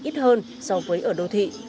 ít hơn so với ở đô thị